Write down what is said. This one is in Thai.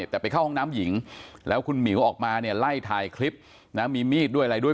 แต่ไปเข้าห้องน้ำหญิงแล้วคุณหมิวออกมาเนี่ยไล่ถ่ายคลิปนะมีมีดด้วยอะไรด้วย